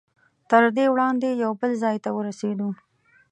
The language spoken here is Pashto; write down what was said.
تر دې وړاندې یو بل ځای ته ورسېدو.